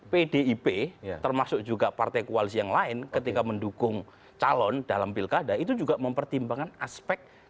pdip termasuk juga partai koalisi yang lain ketika mendukung calon dalam pilkada itu juga mempertimbangkan aspek